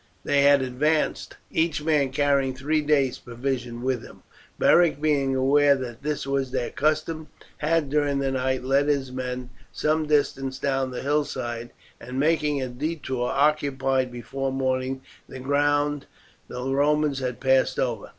They had advanced, each man carrying three days' provisions with him. Beric, being aware that this was their custom, had during the night led his men some distance down the hillside, and making a detour occupied before morning the ground the Romans had passed over.